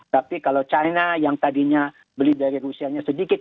tapi kalau china yang tadinya beli dari rusianya sedikit